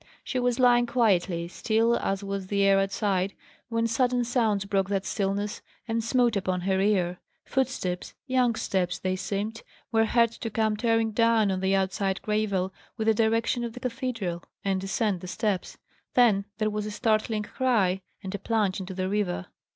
She was lying quietly, still as was the air outside, when sudden sounds broke that stillness, and smote upon her ear. Footsteps young steps, they seemed were heard to come tearing down on the outside gravel, from the direction of the cathedral, and descend the steps. Then there was a startling cry and a plunge into the river.